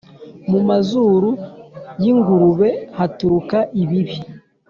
mu mazuru y’ingurube haturuka ibibi